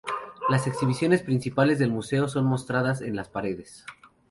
Las exhibiciones principales del museo son mostradas en las paredes.